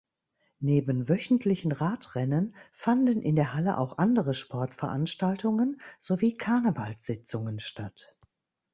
Neben wöchentlichen Radrennen fanden in der Halle auch andere Sportveranstaltungen sowie Karnevalssitzungen statt.